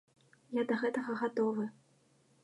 Я да гэтага гатовы.